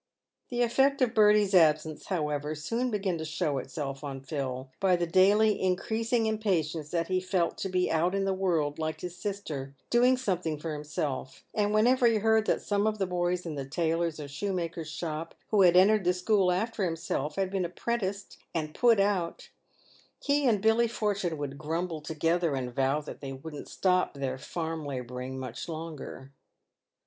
The effect of Bertie's absence, however, soon began to show itself on Phil, by the daily increasing impatience that he felt to be out in the world like his sister, doing something for himself; and whenever he heard that some of the boys in the tailors' or shoemakers' shop, who had entered the school after himself, had been apprenticed and PAYED WITH GOLD. 63 "put out," he and Billy Fortune would grumble together, and vow that they wouldn't stop there farm labouring much longer.